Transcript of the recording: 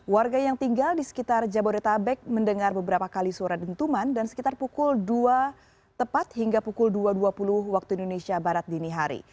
warga yang tinggal di sekitar jabodetabek mendengar beberapa kali suara dentuman dan sekitar pukul dua tepat hingga pukul dua dua puluh waktu indonesia barat dini hari